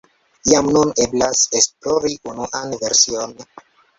Jam nun eblas esplori unuan version.